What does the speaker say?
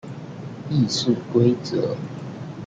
議事規則